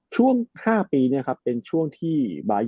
ช่วงห้าปีเนี้ยเป็นช่วงที่